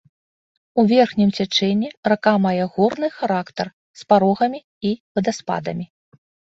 У верхнім цячэнні рака мае горны характар, з парогамі і вадаспадамі.